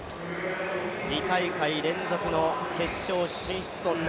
２大会連続の決勝進出。